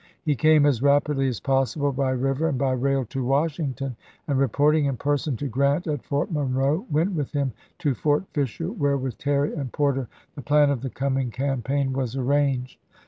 He came as rapidly as possible by river and by rail to Washington, and reporting in person to Grant at Fort Monroe went with him to Fort Fisher, where, with Terry and Porter, the plan of the coming campaign was arranged.